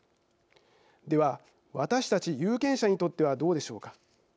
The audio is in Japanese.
では、私たち有権者にとってはどうでしょうか。